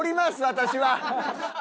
私は。